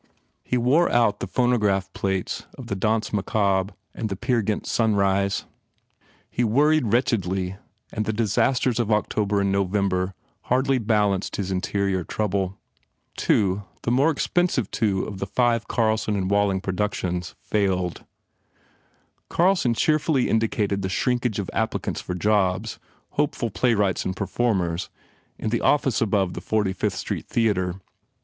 He wore out the phonograph plates of the Danse Macabre and the Peer Gynt "Sunrise." He worried wretchedly and the disasters of October and November hardly balanced his interior trouble. Two. the more expensive two of the five Carlson and Walling productions failed. Carlson cheerfully indicated the shrinkage of applicants for jobs, hopeful playwrights and performers in the ore above the 45th Street Theatre.